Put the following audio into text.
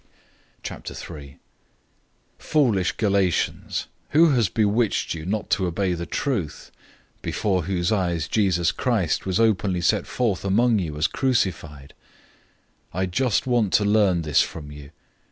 003:001 Foolish Galatians, who has bewitched you not to obey the truth, before whose eyes Jesus Christ was openly set forth among you as crucified? 003:002 I just want to learn this from you.